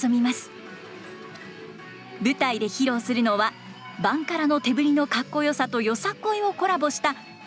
舞台で披露するのはバンカラの手振りのかっこよさとよさこいをコラボした及川さん